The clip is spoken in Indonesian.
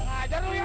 ajar lu ya